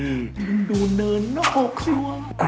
มันดูเนินออกจากคือว่า